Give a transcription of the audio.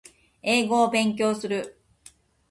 英語を勉強する